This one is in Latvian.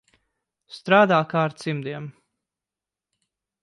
Strādā kā ar cimdiem.